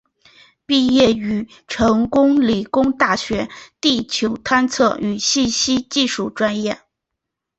毕业于成都理工大学地球探测与信息技术专业。